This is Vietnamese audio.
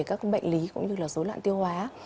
các bệnh lý cũng như là dối loạn tiêu hóa